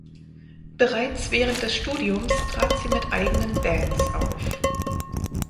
Bereits während des Studiums trat sie mit eigenen Bands auf.